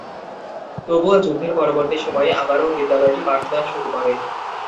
তবুও যুদ্ধের পরবর্তী সময়ে আবারও বিদ্যালয়টি পাঠদান শুরু করে।